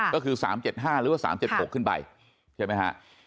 ก็คือ๓๗๕หรือว่า๓๗๖ขึ้นไปใช่ไหมฮะ